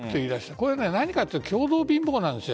これは何かというと共同貧乏なんです。